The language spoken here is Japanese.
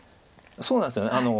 そうなんですよね。